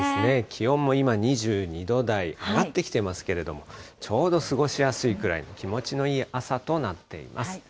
気温も今２２度台、上がってきていますけれども、ちょうど過ごしやすいくらいの気持ちのいい朝となっています。